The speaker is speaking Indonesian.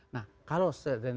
nah kalau satu